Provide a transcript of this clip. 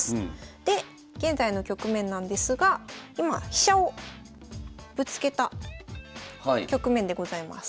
で現在の局面なんですが今飛車をぶつけた局面でございます。